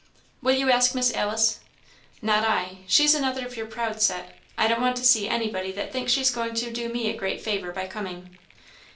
"Will you ask Miss Alice?" "Not I; she's another of your proud set. I don't want to see anybody that thinks she's going to do me a great favour by coming."